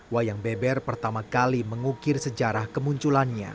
wayang beber pertama kali mengukir sejarah kemunculannya